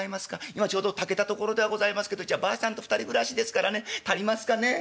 今ちょうど炊けたところではございますけどうちはばあさんと２人暮らしですからね足りますかねええ。